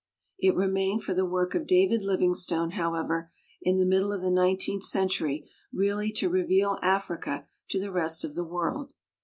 It remained for the work of David Livingstone, however, in the middle of the nineteenth century really to reveal Africa to the rest of the world.